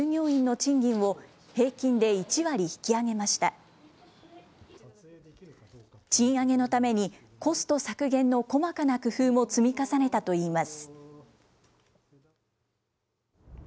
賃上げのために、コスト削減の細かな工夫も積み重ねたといいます。